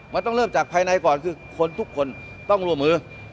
มันต้องเริ่มจากภายในก่อนคือคนทุกคนต้องร่วมมือ